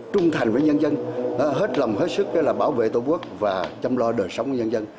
trung thành với nhân dân hết lòng hết sức là bảo vệ tổ quốc và chăm lo đời sống nhân dân